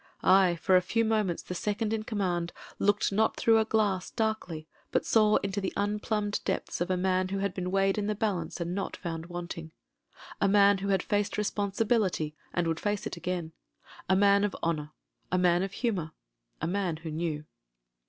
Aye, for a few moments the second in com mand looked not through a glass darkly, but saw into the unplumbed depths of a man who had been weighed in the balance and not found wanting ; a man who had faced responsibility and would face it again; a man of honour, a man of humour, a man who knew.